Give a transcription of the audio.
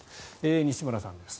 西村さんです。